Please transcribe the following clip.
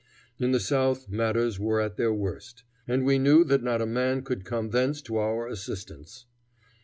In the South matters were at their worst, and we knew that not a man could come thence to our assistance.